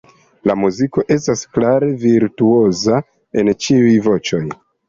La muziko estas klare ‘virtuoza’ en ĉiuj voĉoj.